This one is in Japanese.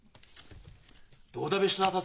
どうだべした？